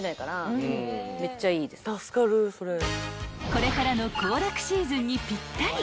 ［これからの行楽シーズンにピッタリ］